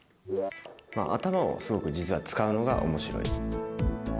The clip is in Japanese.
まあ頭をすごく実は使うのが面白い。